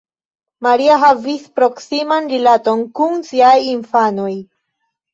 Maria havis proksiman rilaton kun siaj infanoj.